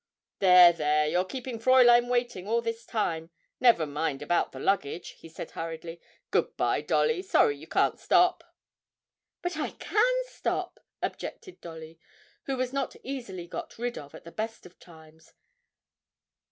'There, there you're keeping Fräulein waiting all this time. Never mind about the luggage,' he said hurriedly. 'Good bye, Dolly; sorry you can't stop.' 'But I can stop,' objected Dolly, who was not easily got rid of at the best of times.